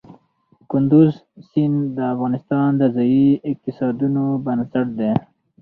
کندز سیند د افغانستان د ځایي اقتصادونو بنسټ دی.